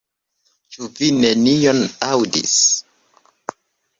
Ĉu vi nenion aŭdis?